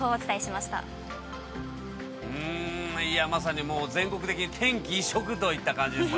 うーん、いやまさに、全国的に天気一色といった感じですね。